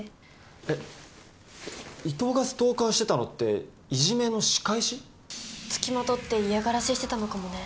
え伊藤がストーカーしてたのってイジメの仕返し？付きまとって嫌がらせしてたのかもね。